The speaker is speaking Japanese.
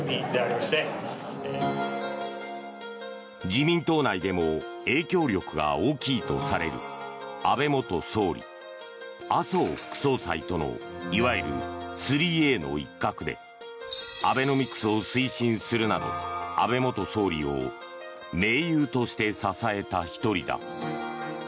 自民党内でも影響力が大きいとされる安倍元総理、麻生副総裁とのいわゆる３Ａの一角でアベノミクスを推進するなど安倍元総理を盟友として支えた１人だ。